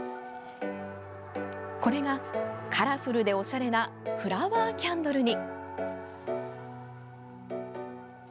これが、カラフルでおしゃれなフラワーキャンドルに！